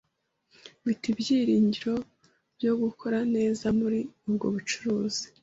Mfite ibyiringiro byo gukora neza muri ubwo bucuruzi.